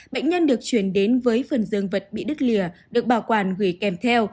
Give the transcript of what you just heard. bệnh nhân được chuyển đến với phần dương vật bị đứt lìa được bảo quản gửi kèm theo